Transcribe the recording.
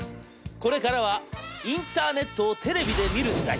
これからはインターネットをテレビで見る時代！